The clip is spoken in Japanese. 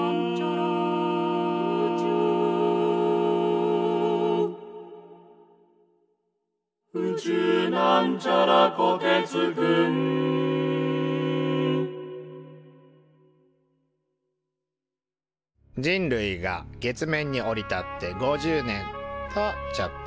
「宇宙」人類が月面に降り立って５０年！とちょっと。